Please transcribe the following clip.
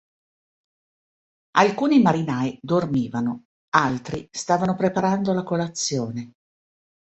Alcuni marinai dormivano, altri stavano preparando la colazione.